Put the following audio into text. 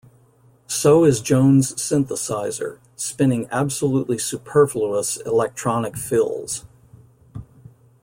So is Jones' synthesizer, spinning absolutely superfluous electronic fills.